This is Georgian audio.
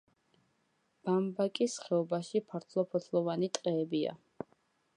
ბამბაკის ხეობაში ფართოფოთლოვანი ტყეებია.